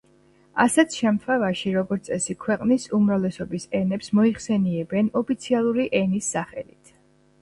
ასეთ შემთხვევაში, როგორც წესი, ქვეყნის უმრავლესობის ენებს მოიხსენიებენ ოფიციალური ენის სახელით.